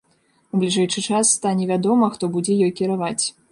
У бліжэйшы час стане вядома, хто будзе ёй кіраваць.